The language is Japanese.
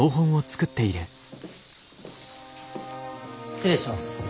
失礼します。